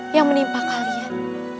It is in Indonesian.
yang menimpa kalian